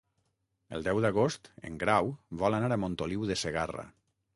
El deu d'agost en Grau vol anar a Montoliu de Segarra.